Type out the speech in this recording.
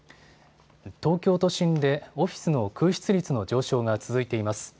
東京都心でオフィスの空室率の上昇が続いています。